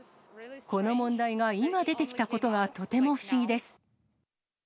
この問題が今、出てきたことが、とても不思議です。